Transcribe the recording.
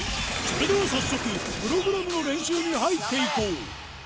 それでは早速、プログラムの練習に入っていこう。